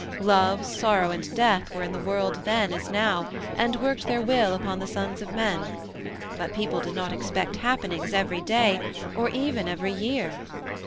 Love, sorrow, and death were in the world then as now, and worked their will upon the sons of men; but people did not expect happenings every day or even every year.